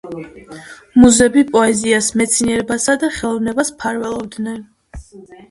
მუზები პოეზიას, მეცნიერებასა და ხელოვნებას მფარველობდნენ.